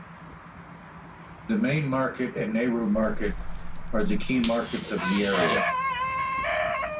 The Main Market and Nehru Market are the key markets of the area.